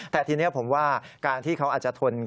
แต่ทีนี้ผมว่าการที่เขาอาจจะทน